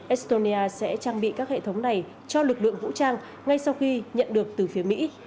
estonia sẽ trang bị các hệ thống này cho lực lượng vũ trang ngay sau khi nhận được từ phía mỹ